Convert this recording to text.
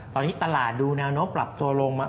ตอนนี้ตลาดดูแนวโน้ปรับตัวลงมา